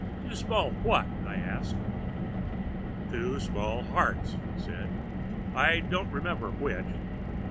"Two small what?" I asked. "Two small hearts," he said. "I don't remember which.